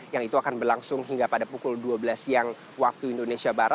yang itu akan berlangsung hingga pada pukul dua belas siang waktu indonesia barat